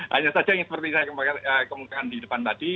hanya saja yang seperti saya kemukakan di depan tadi